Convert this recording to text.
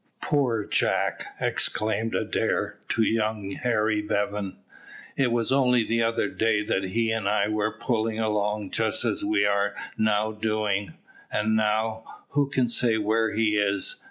"Poor Jack!" exclaimed Adair to young Harry Bevan. "It was only the other day that he and I were pulling along just as we are now doing. And now who can say where he is?